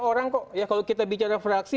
orang kok ya kalau kita bicara fraksi